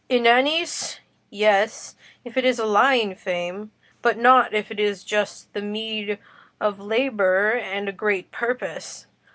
"Inanis? yes, if it is a lying fame; but not if it is the just meed of labour and a great purpose.